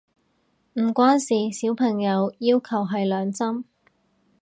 唔關事，小朋友要求係兩針